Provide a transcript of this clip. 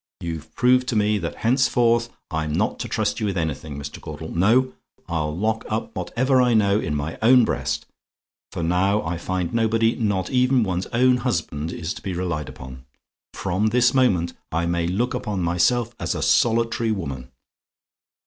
You've proved to me that henceforth I'm not to trust you with anything, Mr. Caudle. No; I'll lock up whatever I know in my own breast, for now I find nobody, not even one's own husband, is to be relied upon. From this moment, I may look upon myself as a solitary woman.